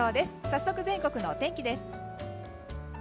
早速、全国のお天気です。